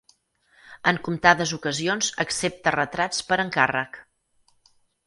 En comptades ocasions accepta retrats per encàrrec.